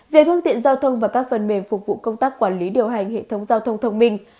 về phương tiện giao thông và các phần mềm phục vụ công tác quản lý điều hành hệ thống giao thông thông minh